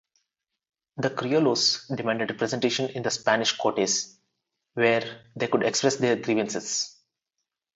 The criollos demanded representation in the Spanish Cortes where they could express their grievances.